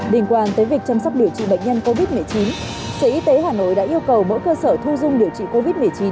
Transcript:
liên quan tới việc chăm sóc điều trị bệnh nhân covid một mươi chín sở y tế hà nội đã yêu cầu mỗi cơ sở thu dung điều trị covid một mươi chín